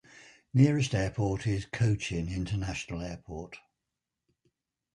Nearest airport is Cochin International Airport.